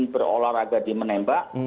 berolahraga di menembak